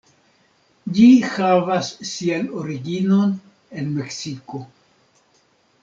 Ĝi havas sian originon en Meksiko.